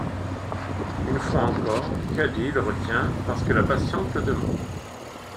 Une fois encore, Cuddy le retient, parce que la patiente le demande.